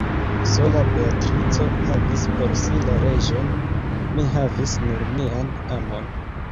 Sola Beatrico havis por si la leĝon; mi havis nur mian amon.